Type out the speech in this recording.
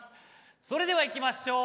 それではいきましょう！